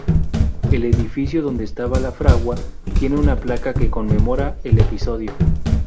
El edificio donde estaba la fragua tiene una placa que conmemora el episodio.